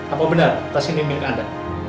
apa benar tas ini milik anda